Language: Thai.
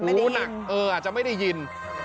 อ๋ออาจจะไม่ได้ยิน